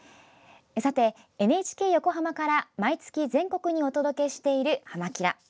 ＮＨＫ横浜から毎月全国にお届けしている「はま☆キラ！」